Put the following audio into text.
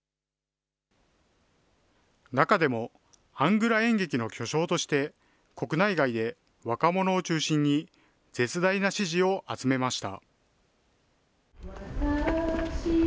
中でも、アングラ演劇の巨匠として、国内外で若者を中心に絶大な支持を集めました。